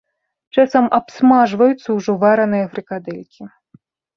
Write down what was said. Часам абсмажваюцца ўжо вараныя фрыкадэлькі.